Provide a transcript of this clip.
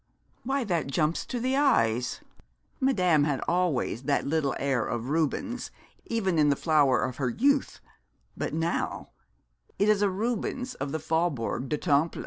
Why that jumps to the eyes. Madame had always that little air of Rubens, even in the flower of her youth but now it is a Rubens of the Faubourg du Temple.'